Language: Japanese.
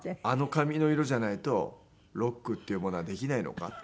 「あの髪の色じゃないとロックっていうものはできないのか？」